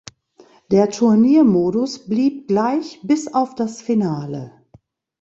Der Turniermodus blieb gleich bis auf das Finale.